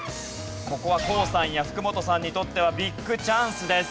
ここはＫＯＯさんや福本さんにとってはビッグチャンスです。